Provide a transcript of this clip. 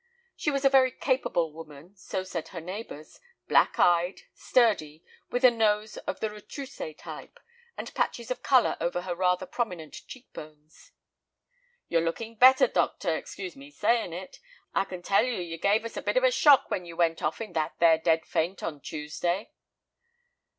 She was a very capable woman, so said her neighbors, black eyed, sturdy, with a nose of the retroussé type, and patches of color over her rather prominent cheek bones. "You're looking better, doctor, excuse me saying it. I can tell you you gave us a bit of a shock when you went off in that there dead faint on Tuesday."